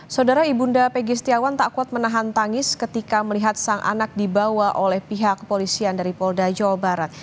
saudara ibunda pegi setiawan tak kuat menahan tangis ketika melihat sang anak dibawa oleh pihak kepolisian dari polda jawa barat